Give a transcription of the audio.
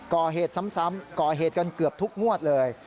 ก่อเหตุซ้ำก่อเหตุกันเกือบทุกงวดเลย